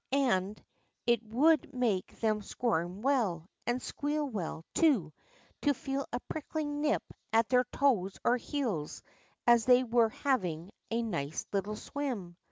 And it would make them squirm well, and sqneal well, too, to feel a pricking nip at their toes or heels, as they were having a nice little swim.